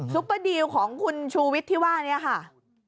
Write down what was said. เปอร์ดีลของคุณชูวิทย์ที่ว่านี้ค่ะ